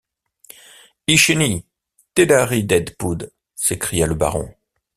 Icheni! te la rie Daidpoud... s’écria le baron.